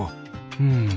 うん。